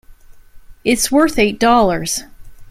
It's worth eight dollars.